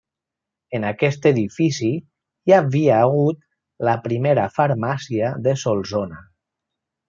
En aquest edifici hi havia hagut la primera farmàcia de Solsona.